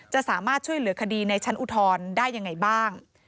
จะสามารถช่วยเหลือคดีในชั้นอุทธรณ์ได้ยังไงบ้าง